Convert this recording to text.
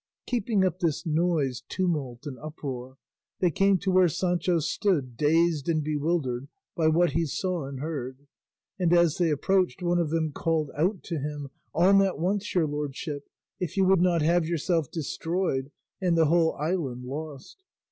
Keeping up this noise, tumult, and uproar, they came to where Sancho stood dazed and bewildered by what he saw and heard, and as they approached one of them called out to him, "Arm at once, your lordship, if you would not have yourself destroyed and the whole island lost."